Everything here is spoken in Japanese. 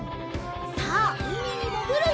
さあうみにもぐるよ！